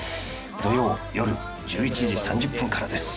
土曜よる１１時３０分からです。